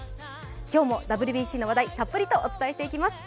今日もＷＢＣの話題、たっぷりとお伝えしていきます。